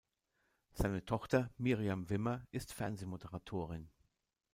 Seine Tochter Miriam Wimmer ist Fernsehmoderatorin.